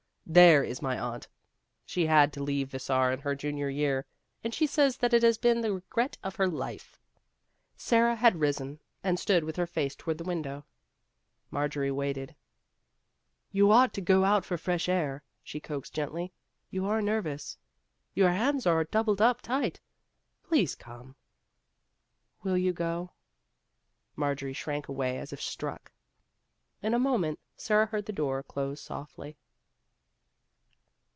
There is my aunt she had to leave Vassar in her junior year, and she says that it has been the regret of her life," One of the Girls 287 Sara had risen and stood with her face toward the window. Marjorie waited. " You ought to go out for fresh air," she coaxed gently ;" you are nervous. Your hands are doubled up tight. Please come." " Will you go ?" Marjorie shrank away as if struck. In a moment Sara heard the door close softly.